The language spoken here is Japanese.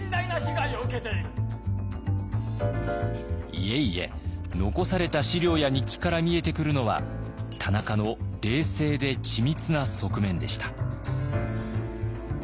いえいえ残された資料や日記から見えてくるのは田中の冷静で緻密な側面でした。